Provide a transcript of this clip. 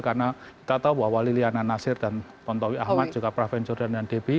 karena kita tahu bahwa liliana nasir dan tontowi ahmad juga praven jordan dan debbie